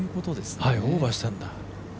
オーバーしたんだ。